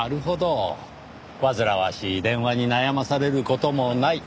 煩わしい電話に悩まされる事もない。